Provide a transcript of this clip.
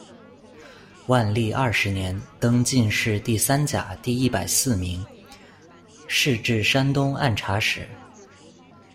万历二十年，登进士第三甲第一百四名，仕至山东按察使。